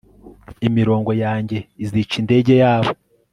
Imirongo yanjye izica indege yabo